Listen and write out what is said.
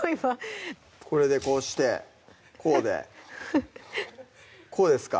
これでこうしてこうでこうですか？